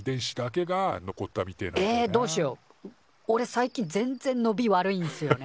最近全然のび悪いんすよね。